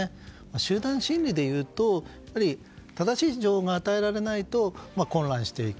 集団心理でいうと正しい情報が与えられないと混乱していく。